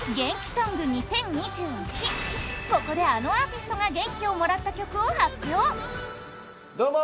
ここであのアーティストが元気をもらった曲を発表！